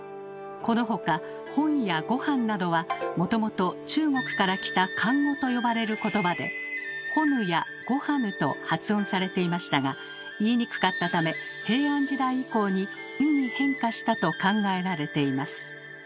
この他「ほん」や「ごはん」などはもともと中国から来た「漢語」と呼ばれることばで「ほぬ」や「ごはぬ」と発音されていましたが言いにくかったため平安時代以降に「ん」に変化したと考えられています。